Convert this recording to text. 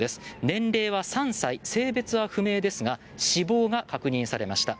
年齢は３歳、性別は不明ですが死亡が確認されました。